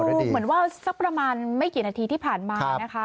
คือเหมือนว่าสักประมาณไม่กี่นาทีที่ผ่านมานะคะ